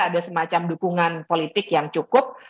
ada semacam dukungan politik yang cukup